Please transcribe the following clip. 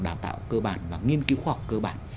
đào tạo cơ bản và nghiên cứu khoa học cơ bản